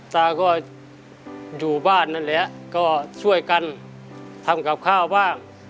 ตาก็อยู่บ้านนั่นแหละก็ช่วยกันทำกับข้าวบ้าง